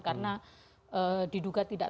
karena diduga tidak